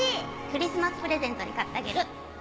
クリスマスプレゼントに買ってあげる。